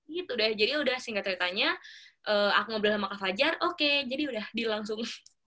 gitu deh jadi yaudah singkat ceritanya aku ngobrol sama kak fajar oke jadi yaudah dilangsung